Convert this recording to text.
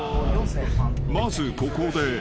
［まずここで］